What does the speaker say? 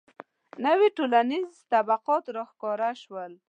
• نوي ټولنیز طبقات راښکاره شول.